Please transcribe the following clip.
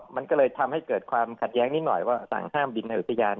มันก็เลยทำให้เกิดความขัดแย้งนิดหน่อยว่าสั่งห้ามบินในอุทยาน